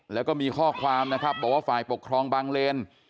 แล้วก็มีข้อความนะครับบอกว่าฝ่ายปกครองบางเลน